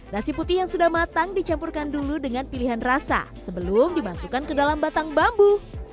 nasi putih yang sudah matang dicampurkan dulu dengan pilihan rasa sebelum dimasukkan ke dalam batang bambu